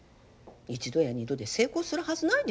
一度や二度で成功するはずないでしょ。